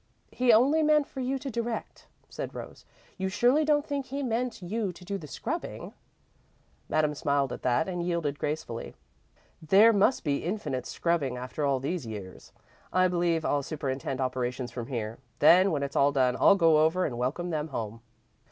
"He only meant for you to direct," said Rose. "You surely don't think he meant you to do the scrubbing?" Madame smiled at that, and yielded gracefully. "There must be infinite scrubbing, after all these years. I believe I'll superintend operations from here. Then, when it's all done, I'll go over and welcome them home."